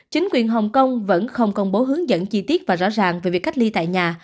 chính quyền hồng kông vẫn không công bố hướng dẫn chi tiết và rõ ràng về việc cách ly tại nhà